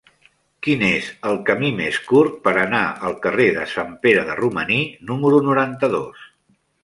Quin és el camí més curt per anar al carrer de Sant Pere de Romaní número noranta-dos?